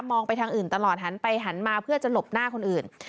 ไปทางอื่นตลอดหันไปหันมาเพื่อจะหลบหน้าคนอื่น